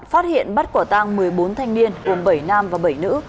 phát hiện bắt quả tang một mươi bốn thanh niên gồm bảy nam và bảy nữ